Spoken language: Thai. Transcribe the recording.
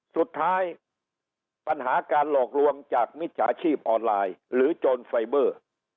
สุดท้ายปัญหาการหลอกลวงจากมิจฉาชีพออนไลน์หรือโจรไฟเบอร์